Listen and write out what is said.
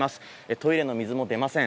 トイレの水も出ません。